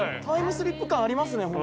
タイムスリップ感ありますね